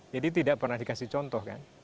jadi tidak pernah dikasih contoh kan